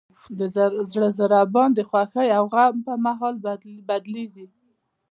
د زړه ضربان د خوښۍ او غم پر مهال بدلېږي.